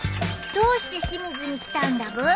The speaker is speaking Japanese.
どうして清水に来たんだブー？